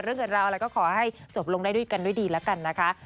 เกิดราวอะไรก็ขอให้จบลงได้ด้วยกันด้วยดีแล้วกันนะคะ